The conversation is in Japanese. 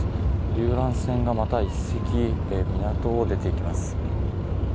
遊覧船がまた１隻港を出て行きます。